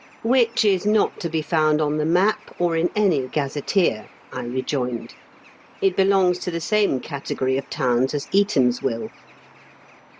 " Which is not to be found on the map or in any gazetteer," I rejoined. " It belongs to the same category of towns as Eatanswill."